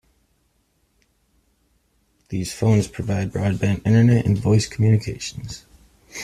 These phones provide broadband Internet and voice communications.